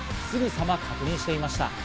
すぐさま確認していました。